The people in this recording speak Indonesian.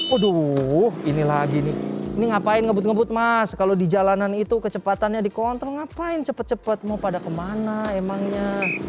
aduh ini lagi nih ini ngapain ngebut ngebut mas kalau di jalanan itu kecepatannya dikontrol ngapain cepet cepet mau pada kemana emangnya